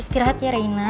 istirahat ya rena